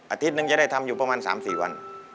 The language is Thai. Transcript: อาทิตย์นึงจะได้ทำอยู่ประมาณ๓๔วัน